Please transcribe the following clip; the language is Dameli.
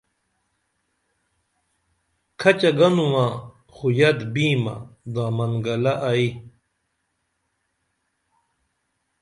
کھچہ گنومہ خو یت بیمہ دامن گلہ ائی